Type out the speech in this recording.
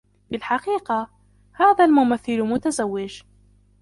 في الحقيقة ، هذا الممثّل متزوج.